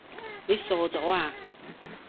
你傻咗呀？